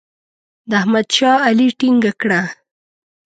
د احمد شا علي ټینګه کړه.